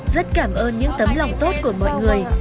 rất cảm ơn những tấm lòng tốt của mọi người